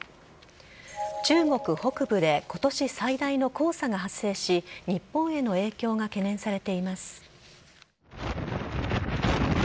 中国北部で今年最大の黄砂が発生し日本への影響が懸念されています。